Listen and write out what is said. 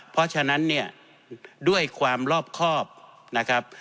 เพราะฉะนั้นเนี่ยด้วยความรอบครอบนะครับ